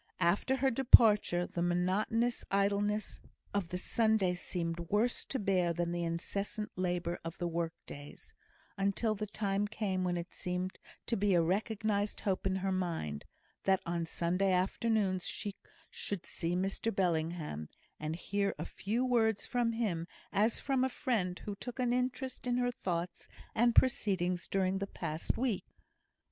After her departure, the monotonous idleness of the Sunday seemed worse to bear than the incessant labour of the work days; until the time came when it seemed to be a recognised hope in her mind, that on Sunday afternoons she should see Mr Bellingham, and hear a few words from him, as from a friend who took an interest in her thoughts and proceedings during the past week.